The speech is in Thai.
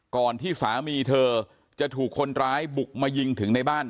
ก่อนที่สามีเธอจะถูกคนร้ายบุกมายิงถึงในบ้าน